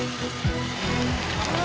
うわ。